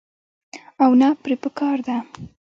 او نۀ پرې پکار ده -